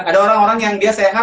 ada orang orang yang dia sehat